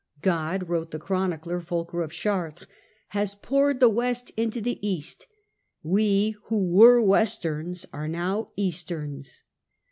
"God," wrote the chronicler Fulcher of Chartres, " has poured the West into the East ; we who were Westerns are now Easterns."